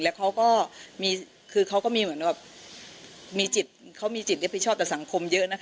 และเขาก็มีจิตเรียบผิดชอบแต่สังคมเยอะนะคะ